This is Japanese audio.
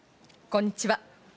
こんにちは。